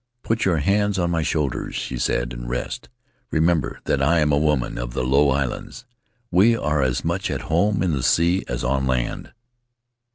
'Put your hands on my shoulders,' she said, 'and rest; remember that I am a woman of the Low Islands — we are as much at home in the sea as on land.'